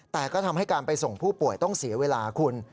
แต่ก็ทำให้การไปส่งผู้ป่วยต้องเสียเวลาคุณ